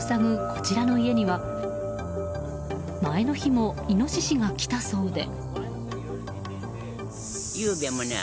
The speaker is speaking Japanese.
こちらの家には前の日もイノシシが来たそうで。